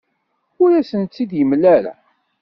Ur asent-tt-id-yemla ara.